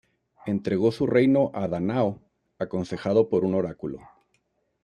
Entregó su reino a Dánao aconsejado por un oráculo.